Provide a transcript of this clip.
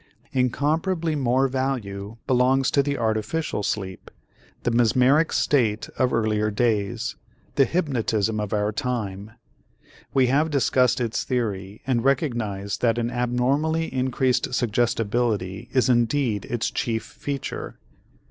Incomparably more value belongs to the artificial sleep, the mesmeric state of earlier days, the hypnotism of our time. We have discussed its theory and recognized that an abnormally increased suggestibility is indeed its chief feature.